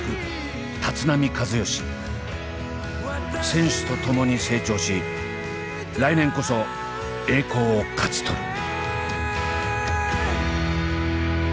選手とともに成長し来年こそ栄光を勝ち取る。